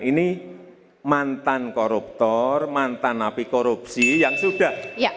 ini mantan koruptor mantan api korupsi yang sudah